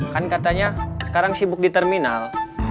kan katanya sekarang sibuk di terminal